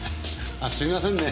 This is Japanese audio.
あすいませんね。